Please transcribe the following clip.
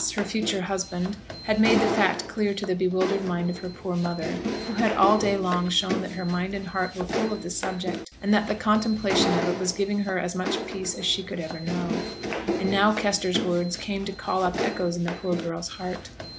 her future husband, had made the fact clear to the bewildered mind of her poor mother, who had all day long shown that her mind and heart were full of the subject, and that the contemplation of it was giving her as much peace as she could ever know. And now Kester's words came to call up echoes in the poor girl's heart.